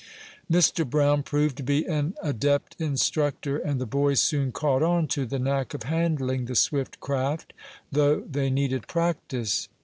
Mr. Brown proved to be an adept instructor, and the boys soon caught on to the knack of handling the swift craft, though they needed practice.